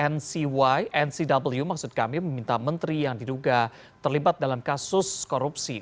ncy ncw maksud kami meminta menteri yang diduga terlibat dalam kasus korupsi